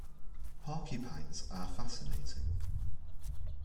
Porcupines are fascinating.